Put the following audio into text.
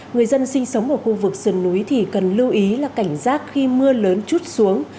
người dân sinh sống ở khu vực sườn núi thì cần lưu ý là cảnh giác khi mưa lớn chút xuống